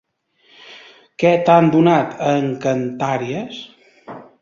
¿Què t'han donat encantàries?